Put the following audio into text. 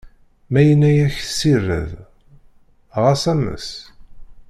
Ma yenna-yak ssired, ɣas ames!